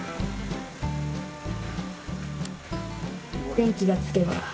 電気がつけば。